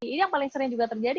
ini yang paling sering juga terjadi